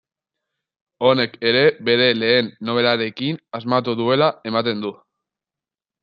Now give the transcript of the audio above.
Honek ere bere lehen nobelarekin asmatu duela ematen du.